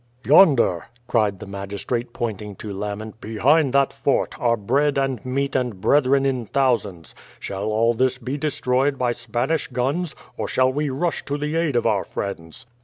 "Yonder," cried the magistrate, pointing to Lammen, "behind that fort, are bread and meat and brethren in thousands. Shall all this be destroyed by Spanish guns, or shall we rush to the aid of our friends?"